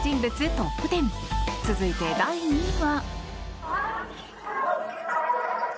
トップ１０続いて、第２位は。